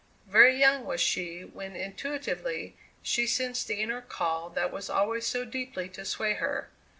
Very young was she when intuitively she sensed the inner call that was always so deeply to sway her.